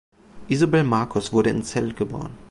Isobel Markus wurde in Celle geboren.